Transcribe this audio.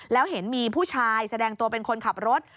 แล้วเห็นมีผู้ชายแสดงตัวเป็นคนขับรถ